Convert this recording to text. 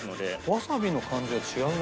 わさびの感じが違うね。